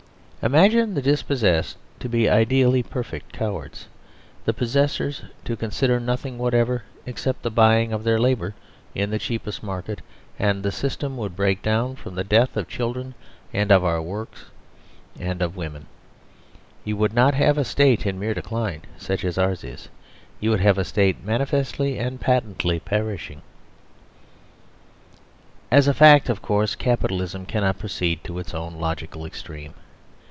Imaginethe dispossessed to be ideally perfect cow ards, the possessors to consider nothing whatsoever except thebuyingof their labour in the cheapest mar ket and the system would break down from the death of children and of out o' works and of women. You STATE GROWS UNSTABLE would not have a State in mere decline such as ours is. You would have a State manifestly and patently perishing. As a fact, of course, Capitalism cannot proceed to its own logical extreme.